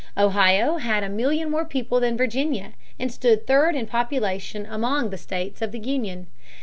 Ohio now had a million more people than Virginia and stood third in population among the states of the Union.